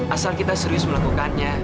asal kita serius melakukannya